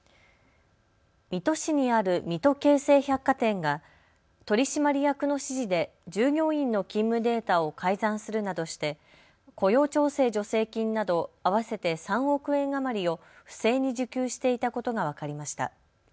水戸市にある水戸京成百貨店が取締役の指示で従業員の勤務データを改ざんするなどして雇用調整助成金など合わせて３億円余りを不正に受給していたことが分かりました。